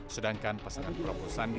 sedangkan pasangan prabowo sandi